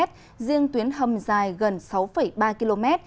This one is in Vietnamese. riêng tuyến hầm dài gần sáu ba km